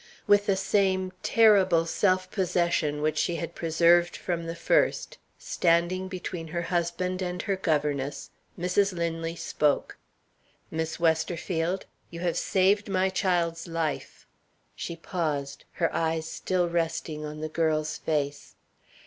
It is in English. With the same terrible self possession which she had preserved from the first standing between her husband and her governess Mrs. Linley spoke. "Miss Westerfield, you have saved my child's life." She paused her eyes still resting on the girl's face.